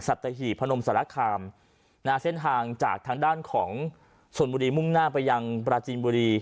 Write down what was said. หีบพนมสารคามนะฮะเส้นทางจากทางด้านของชนบุรีมุ่งหน้าไปยังปราจีนบุรี